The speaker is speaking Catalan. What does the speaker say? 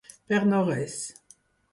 Per no res.